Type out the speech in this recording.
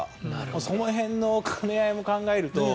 その辺の兼ね合いも考えると。